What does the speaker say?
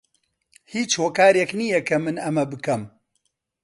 هیچ هۆکارێک نییە کە من ئەمە بکەم.